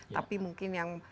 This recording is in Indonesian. tapi mungkin yang